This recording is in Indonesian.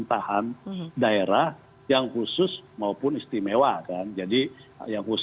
papua istimewa aceh